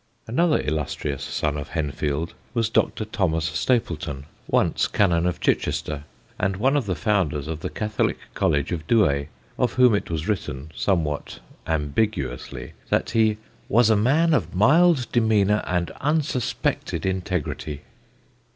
Another illustrious son of Henfield was Dr. Thomas Stapleton, once Canon of Chichester and one of the founders of the Catholic College of Douay, of whom it was written, somewhat ambiguously, that he "was a man of mild demeanour and unsuspected integrity."